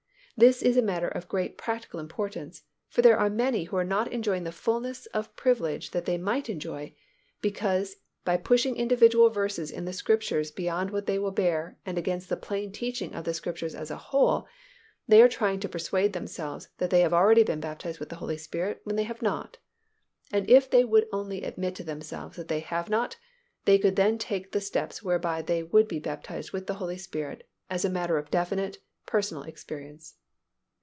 This is a matter of great practical importance, for there are many who are not enjoying the fullness of privilege that they might enjoy because by pushing individual verses in the Scriptures beyond what they will bear and against the plain teaching of the Scriptures as a whole, they are trying to persuade themselves that they have already been baptized with the Holy Spirit when they have not. And if they would only admit to themselves that they had not, they could then take the steps whereby they would be baptized with the Holy Spirit as a matter of definite, personal experience.